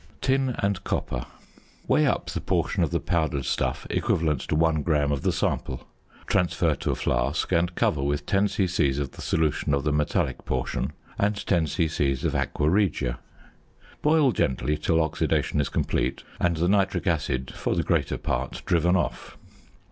~Tin and Copper.~ Weigh up the portion of the powdered stuff equivalent to 1 gram of the sample. Transfer to a flask, and cover with 10 c.c. of the solution of the metallic portion and 10 c.c. of aqua regia. Boil gently till oxidation is complete and the nitric acid for the greater part driven off.